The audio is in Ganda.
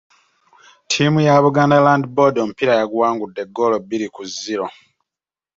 Ttiimu ya Buganda Land Board omupiira yaguwangudde eggoolo bbiri ku zziro.